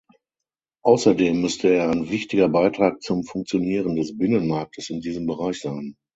Außerdem müsste er ein wichtiger Beitrag zum Funktionieren des Binnenmarktes in diesem Bereich sein.